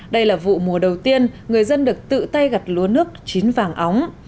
đây là vụ mùa đầu tiên người dân được tự tay gặt lúa nước chín vàng óng